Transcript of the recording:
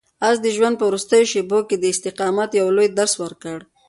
آس د ژوند په وروستیو شېبو کې د استقامت یو لوی درس ورکړ.